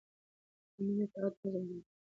د قانون اطاعت نظم جوړوي